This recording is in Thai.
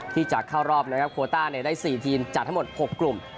ที่จะเข้ารอบนะครับโคต้าได้๔ทีมจากทั้งหมด๖กลุ่ม